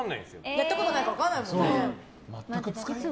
やったことなから分からないよね。